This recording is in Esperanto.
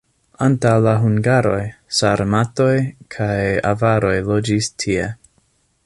Antaŭ la hungaroj sarmatoj kaj avaroj loĝis tie.